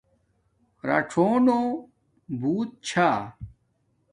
رڞنݸنݸ بوت چھا